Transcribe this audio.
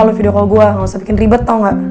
kalau video call gue gak usah bikin ribet tau gak